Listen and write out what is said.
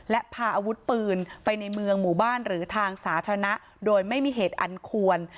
และพาอาวุธปืนไปในเมืองหมู่บ้านหรือทางสาธารณะโดยไม่มีเหตุอันควร